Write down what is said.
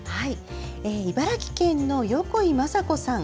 茨城県の横井正子さん。